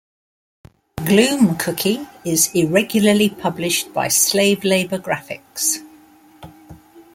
"Gloomcookie" is irregularly published by Slave Labor Graphics.